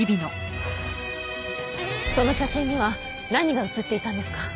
その写真には何が写っていたんですか？